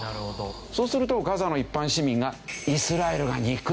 そうするとガザの一般市民が「イスラエルが憎い！」と。